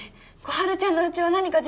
心春ちゃんのうちは何か